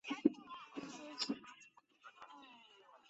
根田鼠等地。